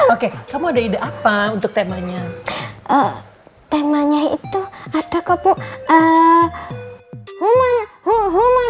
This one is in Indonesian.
oke kamu ada ide apa untuk temanya eh temanya itu ada kok bu human human human